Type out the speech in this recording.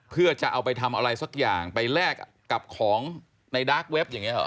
เพื่อจะเอาไปทำอะไรสักอย่างไปแลกกับของในดาร์กเว็บอย่างนี้หรอ